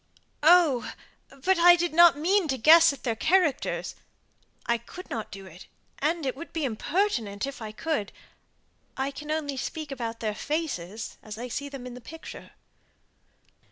"Oh! but I did not mean to guess at their characters. I could not do it; and it would be impertinent, if I could. I can only speak about their faces as I see them in the picture."